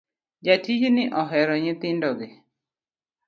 Jatijni ohero nyithindo gi